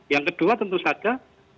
yang kedua tentu saja